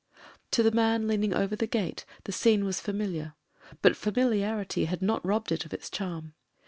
... To the man leaning over the gate the scene was familiar — ^but familiarity had not robbed it of its charm.